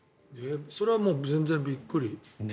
それは全然びっくり。